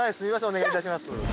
お願いいたします。